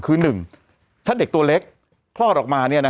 คือ๑ถ้าเด็กตัวเล็กคลอดออกมา